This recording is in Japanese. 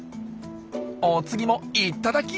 お次もいただき！